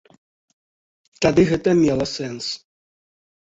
Тады гэта мела сэнс.